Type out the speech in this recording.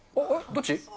どっち？